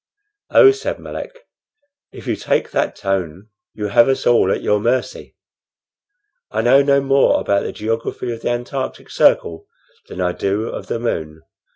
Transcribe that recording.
"Oh," said Melick, "if you take that tone, you have us all at your mercy. I know no more about the geography of the antarctic circle than I do of the moon.